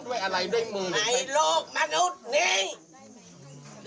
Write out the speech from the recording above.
พร้อมมาทุกสิ่งทุกอย่างในโลกมนุษย์นี้